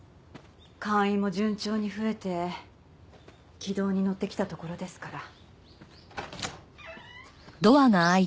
会員も順調に増えて軌道に乗ってきたところですから。